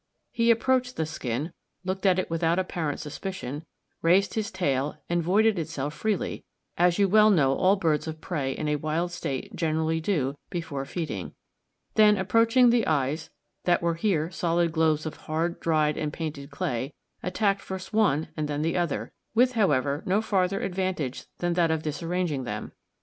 He approached the skin, looked at it without apparent suspicion, raised his tail and voided itself freely (as you well know all birds of prey in a wild state generally do before feeding), then approaching the eyes, that were here solid globes of hard, dried, and painted clay, attacked first one and then the other, with, however, no farther advantage than that of disarranging them.